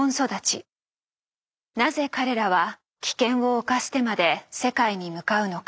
なぜ彼らは危険を冒してまで世界に向かうのか。